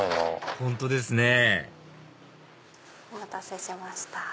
本当ですねお待たせしました。